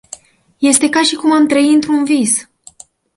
Este ca și cum am trăi într-un vis!